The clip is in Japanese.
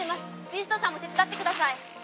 ビーストさんも手伝ってください。